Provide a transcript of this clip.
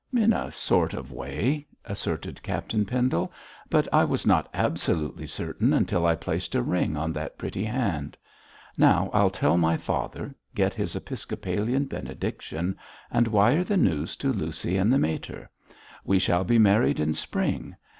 'In a sort of way,' asserted Captain Pendle; 'but I was not absolutely certain until I placed a ring on that pretty hand. Now I'll tell my father, get his episcopalian benediction, and wire the news to Lucy and the mater. We shall be married in spring.